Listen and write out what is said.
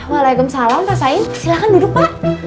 waalaikumsalam pak sain silahkan duduk pak